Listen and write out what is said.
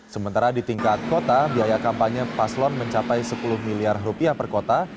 sementara di tingkat kota biaya kampanye paslon mencapai sepuluh miliar rupiah per kota